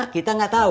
kita gak tau